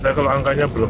saya kalau angkanya belum